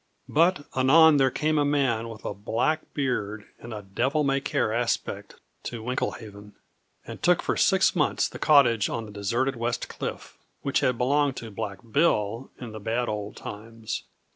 But anon there came a man with a black beard and a devil may care aspect to Winklehaven, and took for six months the cottage on the deserted West Cliff, which had belonged to Black Bill in the bad old times.